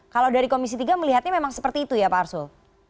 kalau dari komisi tiga melihatnya memang seperti itu ya pak arsul